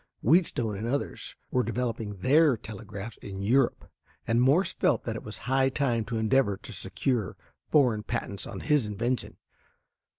Wheatstone and others were developing their telegraphs in Europe, and Morse felt that it was high time to endeavor to secure foreign patents on his invention.